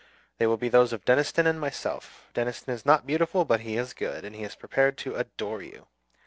They will be those of Deniston and myself. Deniston is not beautiful, but he is good, and he is prepared to adore you.